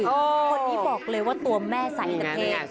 คนที่บอกเลยว่าตัวแม่ใสกับเพศ